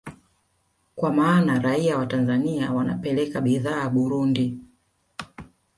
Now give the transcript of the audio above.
Kwa maana raia wa Tanzania wanapeleka bidhaa Burundi